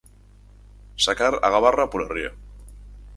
Sacar a gabarra pola ría.